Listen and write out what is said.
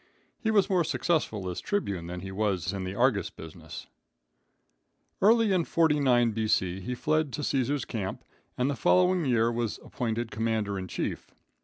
He was more successful as Tribune than he was in the Argus business. Early in 49, B.C., he fled to Caesar's camp, and the following year was appointed commander in chief.